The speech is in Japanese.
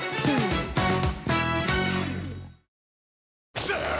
クソー！